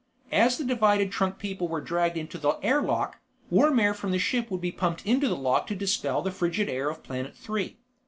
As the divided trunk people were dragged into the air lock, warm air from the ship would be pumped into the lock to dispel the frigid air of Planet Three.